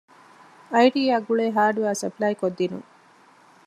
އައިޓީއާ ގުޅޭ ހާޑްވެއަރ ސަޕްލައިކޮށްދިނުން